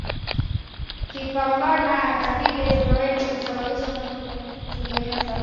kimaabala kama vile heroin husababisha mtu kuwa tegemevu